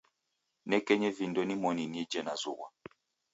Ninekenyi vindo nimoni nije nazughwa.